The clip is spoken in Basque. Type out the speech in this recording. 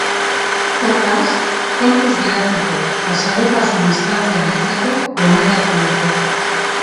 Hortaz, kontuz gidatzeko eta segurtasun distantzia handitzeko gomendatu dute.